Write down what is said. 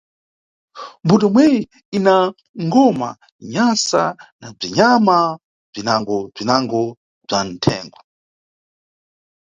Mbuto imweyi ina ngoma, nyasa na bzinyama bzinangobzinango bza nʼthengo.